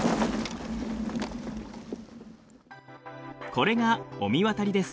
これが御神渡りです。